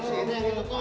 sini ini tuh